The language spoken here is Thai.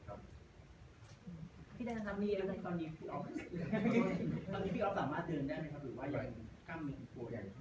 ถ้าคำเตรียมภาพ